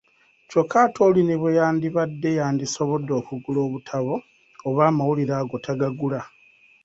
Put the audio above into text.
Kyokka ate oli ne bwe yandibadde yandisobodde okugula obutabo oba amawulire ago tagagula.